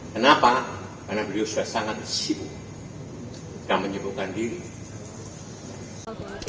kenapa karena beliau sudah sangat sibuk dan menyebukkan diri